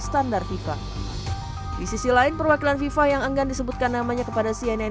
standar fifa di sisi lain perwakilan fifa yang enggan disebutkan namanya kepada cnn